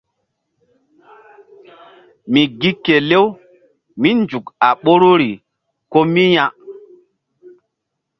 Mi gi kelew mí nzuk a ɓoruri ko mi ya.